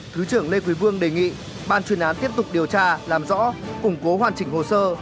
thứ trưởng lê quý vương đề nghị ban chuyên án tiếp tục điều tra làm rõ củng cố hoàn chỉnh hồ sơ